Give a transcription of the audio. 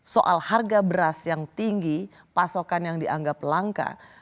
soal harga beras yang tinggi pasokan yang dianggap langka